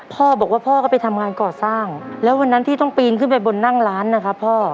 พ่อบอกว่าพ่อก็ไปทำงานก่อสร้างแล้ววันนั้นที่ต้องปีนขึ้นไปบนนั่งร้านนะครับพ่อ